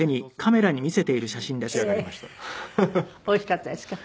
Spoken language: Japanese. おいしかったですか？